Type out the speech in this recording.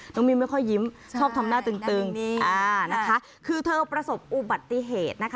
มิวไม่ค่อยยิ้มชอบทำหน้าตึงคือเธอประสบอุบัติเหตุนะคะ